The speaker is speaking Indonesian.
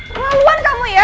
perlaluan kamu ya